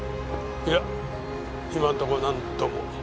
いや今のとこなんとも。